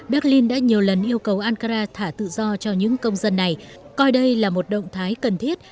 berlin đã nhiều lần yêu cầu ankara thả tự do cho những công dân này coi đây là một động thái cần thiết